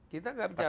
kita nggak bicara